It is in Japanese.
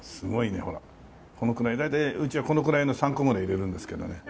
大体うちはこのくらいの３個ぐらい入れるんですけどね。